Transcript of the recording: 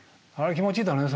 気持ちいいだろうね